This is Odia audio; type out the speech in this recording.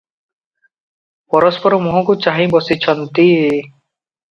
ପରସ୍ପର ମୁହଁକୁ ଚାହିଁବସିଛନ୍ତି ।